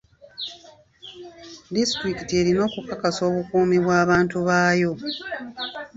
Disitulikiti erina okukakasa obukuumi bw'abantu baayo.